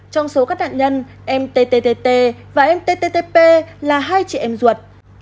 trong số các nạn nhân em tttt và em tttp là hai chị em ruột